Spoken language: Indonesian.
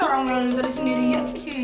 orang orang dari sendiri sendiri